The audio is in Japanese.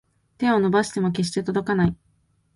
手を伸ばしても決して届かない